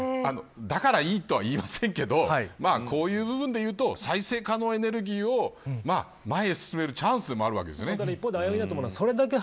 だからいいとは言いませんけどこういう部分で言うと再生可能エネルギーを前へ進めるチャンスでもあるわけです。